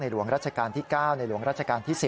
หลวงราชการที่๙ในหลวงราชการที่๑๐